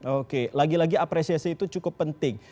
oke lagi lagi apresiasi itu cukup penting